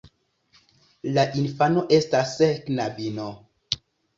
La infano estas knabino.